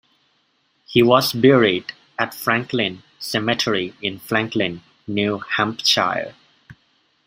He was buried at Franklin Cemetery in Franklin, New Hampshire.